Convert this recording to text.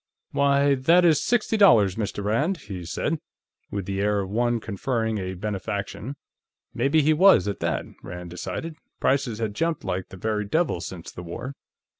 "Why, that is sixty dollars, Mr. Rand," he said, with the air of one conferring a benefaction. Maybe he was, at that, Rand decided; prices had jumped like the very devil since the war.